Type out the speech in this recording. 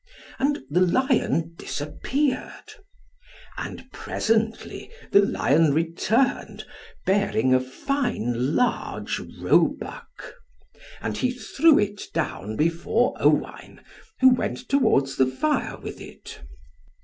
And the lion disappeared. And presently the lion returned, bearing a fine large roebuck. And he threw it down before Owain, who went towards the fire with it.